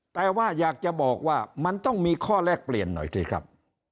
แต่ว่าอยากจะบอกว่ามันต้องมีข้อแลกเปลี่ยนหน่อยสิครับ